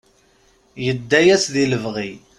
Yedda-yas di lebɣi.